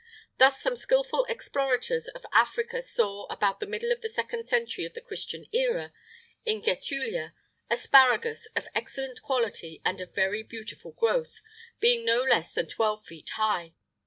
Thus some skilful explorators of Africa saw, about the middle of the second century of the Christian era, in Getulia, asparagus of excellent quality and of very beautiful growth, being no less than twelve feet high!